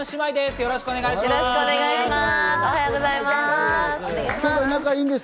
よろしくお願いします。